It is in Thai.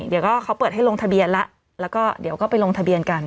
เดี๋ยวก็เขาเปิดให้ลงทะเบียนแล้วแล้วก็เดี๋ยวก็ไปลงทะเบียนกัน